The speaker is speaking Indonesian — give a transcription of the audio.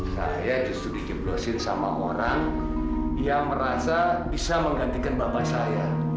saya justru dijeblosin sama orang yang merasa bisa menggantikan bapak saya